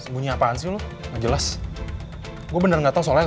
bunyi apaan sih lu jelas gue bener nggak tahu soal